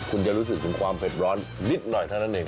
คุณจะรู้สึกถึงความเผ็ดร้อนนิดหน่อยเท่านั้นเอง